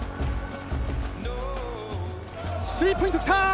スリーポイント来た！